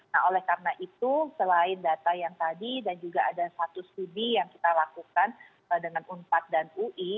nah oleh karena itu selain data yang tadi dan juga ada satu studi yang kita lakukan dengan unpad dan ui